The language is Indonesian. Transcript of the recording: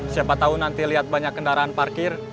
siapa tahu nanti lihat banyak kendaraan parkir